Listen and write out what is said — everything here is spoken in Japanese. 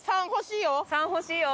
「３」欲しいよ。